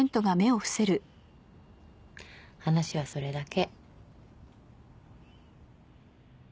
話はそれだけ。